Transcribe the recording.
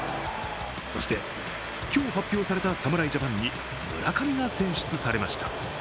そして、今日発表された侍ジャパンに村上が選出されました。